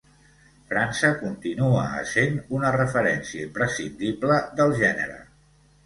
França continua essent una referència imprescindible del gènere.